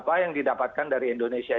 apa yang didapatkan dari indonesia